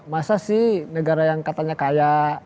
masa sih negara yang katanya kaya